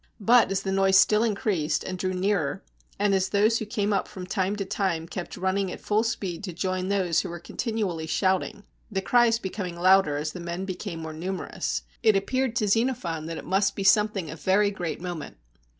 But as the noise still increased, and drew nearer, and as those who came up from time to time kept running at full speed to join those who were continually shouting, the cries becoming louder as the men became more numerous, it appeared to Xenophon that it must be something of very great moment.